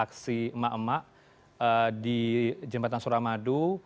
aksi emak emak di jembatan suramadu